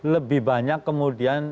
lebih banyak kemudian